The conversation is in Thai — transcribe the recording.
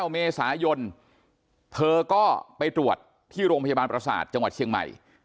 เมษายนเธอก็ไปตรวจที่โรงพยาบาลประสาทจังหวัดเชียงใหม่